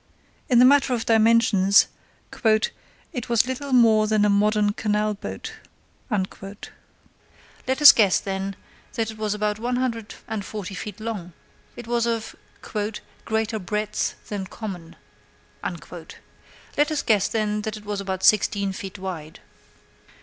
In the matter of dimensions "it was little more than a modern canal boat." Let us guess, then, that it was about one hundred and forty feet long. It was of "greater breadth than common." Let us guess, then, that it was about sixteen feet wide.